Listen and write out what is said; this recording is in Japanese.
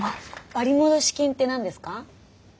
「割戻金」って何ですか？